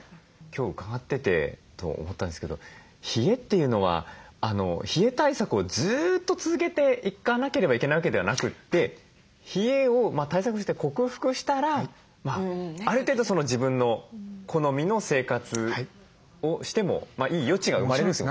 今日伺ってて思ったんですけど冷えっていうのは冷え対策をずっと続けていかなければいけないわけではなくて冷えを対策して克服したらある程度自分の好みの生活をしてもいい余地が生まれると？